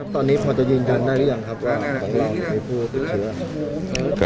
ตอนนี้พอจะยืนยันได้หรือยังครับว่า